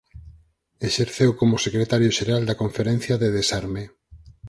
Exerceu como Secretario Xeral da Conferencia de Desarme.